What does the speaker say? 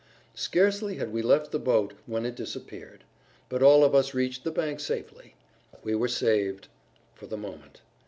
Scarcely had we left the boat when it disappeared; but all of us reached the river bank safely. We were saved—for the moment.